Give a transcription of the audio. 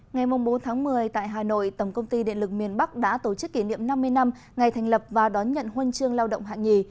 ngày bốn tháng một mươi tại hà nội tổng công ty điện lực miền bắc đã tổ chức kỷ niệm năm mươi năm ngày thành lập và đón nhận huân chương lao động hạng nhì